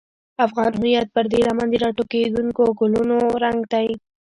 افغان هویت پر دې لمن د راټوکېدونکو ګلونو رنګ دی.